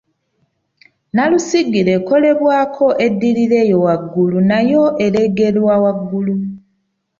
nnabusigire ekolebwako eddirira eyo waggulu nayo ereegerwa waggulu